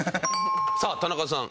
さあ田中さん。